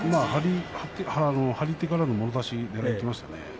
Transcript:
張り手からのもろ差しでいきましたね。